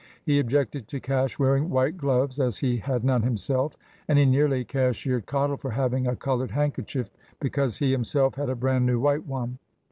He objected to Cash wearing white gloves, as he had none himself, and he nearly cashiered Cottle for having a coloured handkerchief, because he himself had a brand new white one.